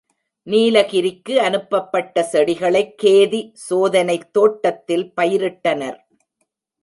நீலகிரிக்கு அனுப்பப்பட்ட செடிகளைக் கேதி சோதனைத் தோட்டத்தில் பயிரிட்டனர்.